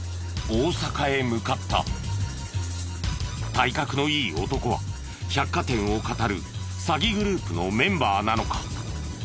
体格のいい男は百貨店をかたる詐欺グループのメンバーなのか？